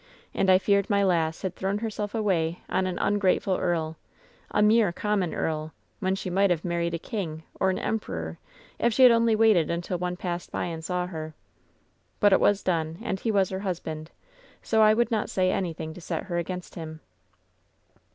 And I feared my lass had thrown herself away on an ungrate ful earl — a mere common earl — ^when she might have /narried a king or an emperor if she had only waited until one passed by and saw her. "But it was done, and he was her husband, so I would jLOt say anything to set her against him."